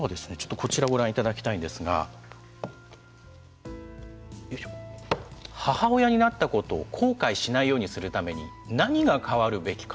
こちらをご覧いただきたいんですが母親になったことを後悔しないようにするために何が変わるべきか。